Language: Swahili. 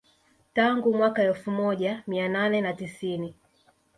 Tangu mwaka wa elfu moja mia nane na tisini